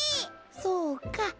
そうか。